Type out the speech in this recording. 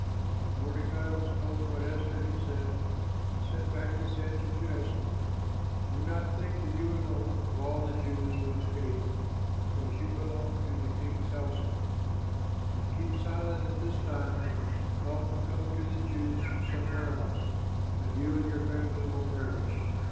When Mordecai was told what Esther had said, he sent back this answer to Esther, "Do not think that you alone of all the Jews will escape because you belong to the king's household. If you keep silent at this time, help will come to the Jews from somewhere else, but you and your family will perish.